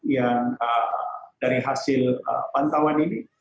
yang dari hasil pantauan ini